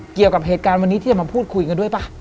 เกี่ยวกับเหตุการณ์วันนี้ที่จะมาพูดคุยกันด้วยป่ะ